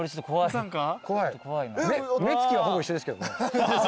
目つきはほぼ一緒ですけどね。